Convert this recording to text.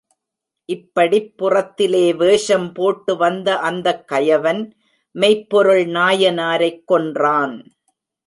இப்படிப் புறத்திலே வேஷம் போட்டு வந்த அந்தக் கயவன் மெய்ப்பொருள் நாயனாரைக் கொன்றான்.